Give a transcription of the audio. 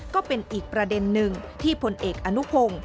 ก็เป็นอีกประเด็นหนึ่งที่พลเอกอนุพงศ์